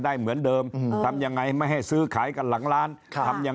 ได้เหมือนเดิมอืมทำยังไงไม่ให้ซื้อขายกันหลังร้านทำอย่าง